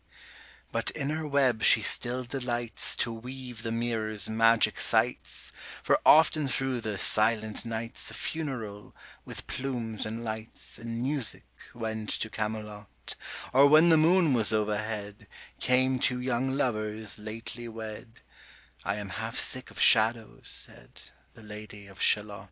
But in her web she still delights To weave the mirror's magic sights, 65 For often thro' the silent nights A funeral, with plumes and lights, And music, went to Camelot: Or when the moon was overhead, Came two young lovers lately wed; 70 'I am half sick of shadows,' said The Lady of Shalott.